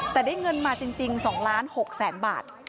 แต่ได้เงินมาจริง๒ล้าน๖แสนบาท